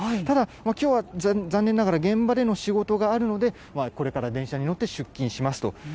ただ、きょうは残念ながら現場での仕事があるので、これから電車に乗って出勤しますと。